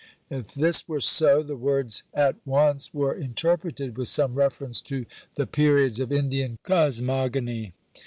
If this were so, the words "at once" were interpreted with some reference to "the periods of Indian cosmogony."